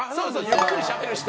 ゆっくりしゃべる人。